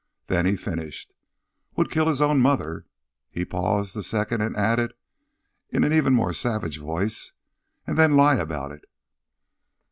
Then he finished: "Would kill his own mother." He paused a second and added, in an even more savage voice, "And then lie about it!"